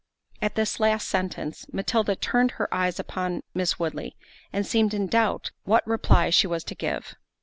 At this last sentence, Matilda turned her eyes on Miss Woodley, and seemed in doubt what reply she was to give.